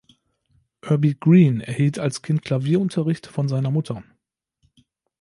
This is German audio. Urbie Green erhielt als Kind Klavierunterricht von seiner Mutter.